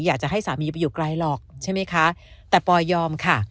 อยากจะให้สามีไปอยู่ไกลหรอกใช่ไหมคะแต่ปอยยอมค่ะ